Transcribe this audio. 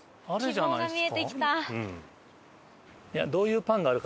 希望が見えてきた。